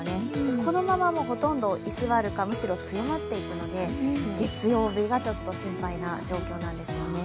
このまま、ほとんど居座るか、むしろ強まっていくので、月曜日はちょっと心配な状況なんですよね。